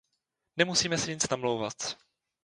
Nemusíme si nic namlouvat.